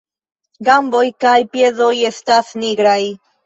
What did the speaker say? Gamboj kaj piedoj estas nigraj.